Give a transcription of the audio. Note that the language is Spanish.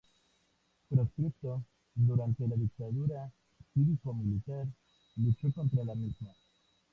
Proscripto durante la dictadura cívico-militar, luchó contra la misma.